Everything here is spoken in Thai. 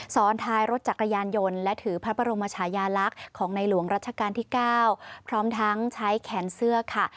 ซ้อนท้ายรถจักรยานยนต์และถือพระบรมชายาลักษณ์ของในหลวงรัชกาลที่๙พร้อมทั้งใช้แขนเสื้อค่ะ